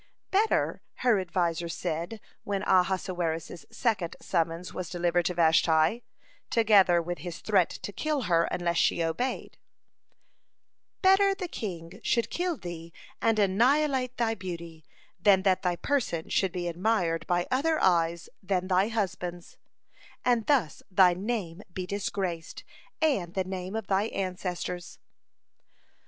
"Better," her adviser said, when Ahasuerus's second summons was delivered to Vashti, together with his threat to kill her unless she obeyed, "better the king should kill thee and annihilate thy beauty, than that thy person should be admired by other eyes than thy husband's, and thus thy name be disgraced, and the name of thy ancestors."